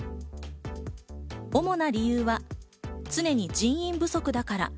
主な理由はすでに人員不足だから。